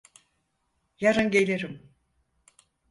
Yarın gelirim.